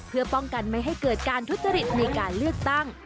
เพื่อป้องกันไม่ให้เกิดการทุจริตในการเลือกตั้ง